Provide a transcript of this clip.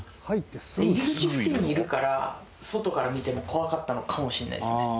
入り口付近にいるから外から見ても怖かったのかもしんないですね。